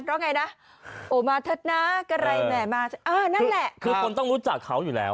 เพราะไงนะโอ้มาเถอะนะกะไรแหม่มาอ่านั่นแหละคือคนต้องรู้จักเขาอยู่แล้ว